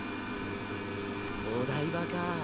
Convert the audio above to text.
お台場かぁ